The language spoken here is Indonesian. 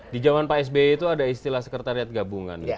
di zaman pak sby itu ada istilah sekretariat gabungan